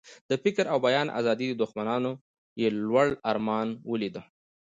د فکر او بیان د آزادۍ دښمنانو یې لوړ ارمان ولید.